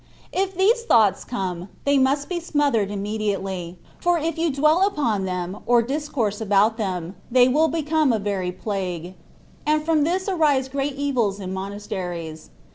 If these thoughts come, they must be smothered immediately ; for if you dwell upon them, or discourse about them, they will become a very plague, and from this arise great evils in monasteries.